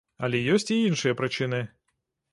Але ёсць і іншыя прычыны.